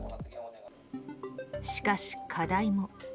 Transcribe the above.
しかし、課題も。